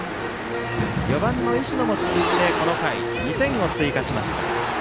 ４番の石野も続いてこの回、２点を追加しました。